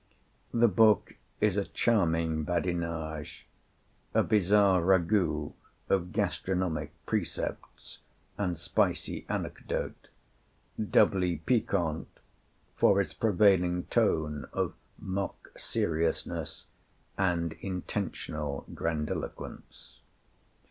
The book is a charming badinage, a bizarre ragoût of gastronomic precepts and spicy anecdote, doubly piquant for its prevailing tone of mock seriousness and intentional grandiloquence.